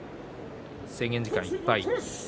制限時間いっぱい。